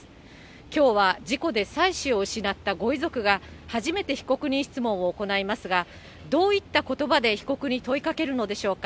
きょうは事故で妻子を失ったご遺族が、初めて被告人質問を行いますが、どういったことばで被告に問いかけるのでしょうか。